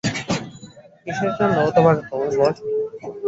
কীসের জন্য, ও তোমার হবু বর?